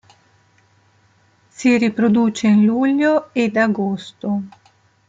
Si riproduce in luglio e agosto.